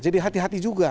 jadi hati hati juga